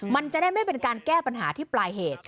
มันจะได้ไม่เป็นการแก้ปัญหาที่ปลายเหตุ